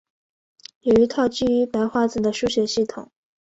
有一套基于白话字的书写系统。